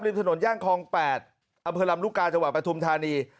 ถนนย่านคลอง๘อำเภอลำลูกกาจังหวัดปฐุมธานี